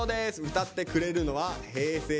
歌ってくれるのはＨｅｙ！